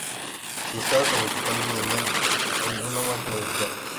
Si estás ejecutando Debian en una máquina virtual